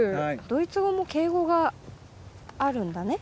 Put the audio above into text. ドイツ語も敬語があるんだね。